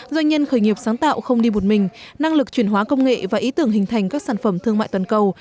doanh nhân khởi nghiệp sáng tạo không đi một mình năng lực chuyển hóa công nghệ và ý tưởng hình thành các sản phẩm thương mại toàn cầu